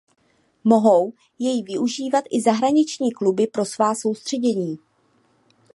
Mohou jej využívat i zahraniční kluby pro svá soustředění.